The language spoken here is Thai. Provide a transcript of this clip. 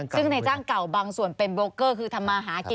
ซึ่งในจ้างก่อนบางส่วนเป็นบรตเกอร์คนที่อยู่